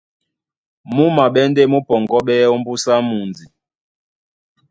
Mú maɓɛ́ ndé mú pɔŋgɔ́ɓɛ́ ómbúsá mundi.